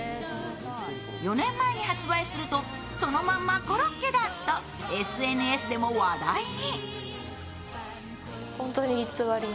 ４年前に発売すると、そのまんまコロッケだとＳＮＳでも話題に。